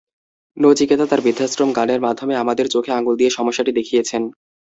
নচিকেতা তাঁর বৃদ্ধাশ্রম গানের মাধ্যমে আমাদের চোখে আঙুল দিয়ে সমস্যাটি দেখিয়েছেন।